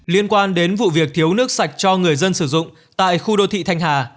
liên quan đến vụ việc thiếu nước sạch cho người dân sử dụng tại khu đô thị thanh hà